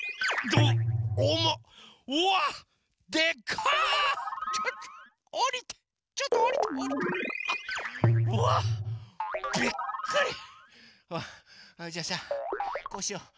それじゃさこうしよう。